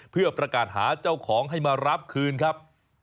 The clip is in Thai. เพื่อประกาศหาเจ้าของให้มารับคืนครับ